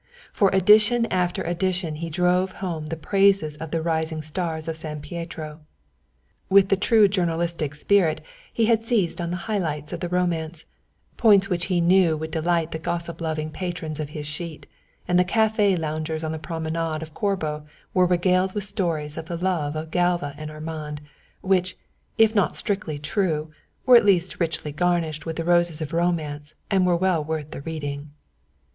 For edition after edition he drove home the praises of the rising stars of San Pietro. With the true journalistic spirit he had seized on the high lights of the romance, points which he knew would delight the gossip loving patrons of his sheet, and the café loungers on the promenade of Corbo were regaled with stories of the love of Galva and Armand, which, if not strictly true, were at least richly garnished with the roses of romance and were well worth the reading.